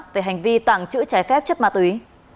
về hành vi tàng trữ trái phép chất ma túy